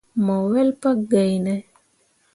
Mo wel pa gai ne.